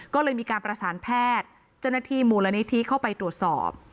ก็เลยมีการประสานแพทย์จนทีมูลและนิธีเข้าไปตรวจสอบ